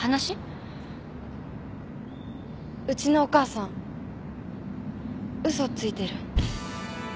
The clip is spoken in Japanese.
うちのお母さん嘘ついてる。